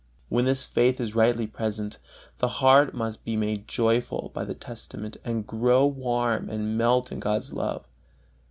When this faith is rightly present, the heart must be made joyful by the testament, and grow warm and melt in God's love.